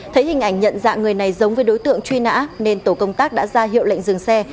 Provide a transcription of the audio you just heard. thấy hình ảnh nhận dạng người này giống với đối tượng truy nã nên tổ công tác đã ra hiệu lệnh dừng xe